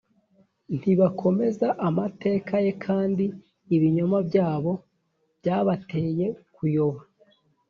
ntibakomeza amateka ye kandi ibinyoma byabo byabateye kuyoba